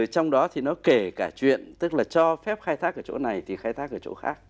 trong đó thì nó kể cả chuyện tức là cho phép khai thác ở chỗ này thì khai thác ở chỗ khác